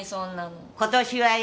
今年はよ